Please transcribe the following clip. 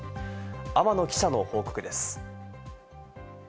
天野記者の報告です。